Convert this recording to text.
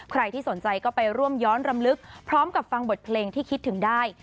ใครที่สนใจก็ไปร่วมย้อนรำลึกพร้อมกับฟังบทเพลงที่คิดถึงได้